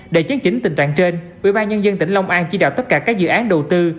để chấn chỉnh tình trạng trên ubnd tỉnh long an chỉ đạo tất cả các dự án đầu tư